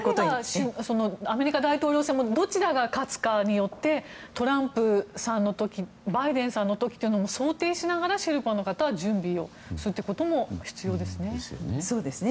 アメリカ大統領選もどちらが勝つかによってトランプさんの時バイデンさんの時とどちらも想定しながらシェルパの方は準備をするということも必要ですよね。